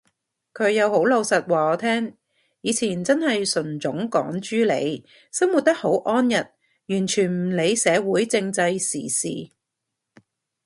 佢又好老實話我聽，以前真係純種港豬嚟，生活得好安逸，完全唔理社會政制時事